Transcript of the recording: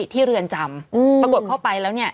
เรือนจำปรากฏเข้าไปแล้วเนี่ย